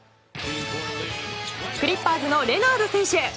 クリッパーズのレナード選手。